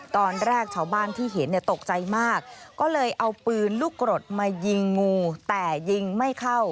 ตอนแรกชาวบ้านที่เห็นเนี่ยตกใจมากก็เลยเอาปืนลูกกรดมายิงงูแต่ยิงไม่เข้า